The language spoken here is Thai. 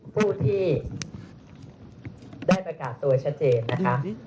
ผู้ที่ได้ประกาศตัวชัดเจนนะคะ